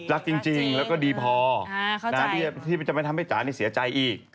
รักจริงแล้วก็ดีพอที่จะไม่ทำให้จ๋านี่เสียใจอีก